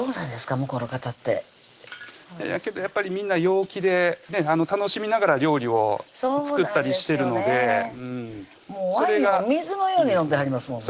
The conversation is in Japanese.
向こうの方ってけどやっぱりみんな陽気で楽しみながら料理を作ったりしてるのでもうワインを水のように飲んではりますもんね